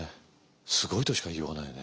すごいとしか言いようがないね。